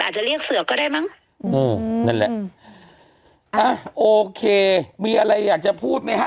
อาจจะเรียกเสือก็ได้มั้งอืมนั่นแหละโอเคมีอะไรอยากจะพูดไหมฮะ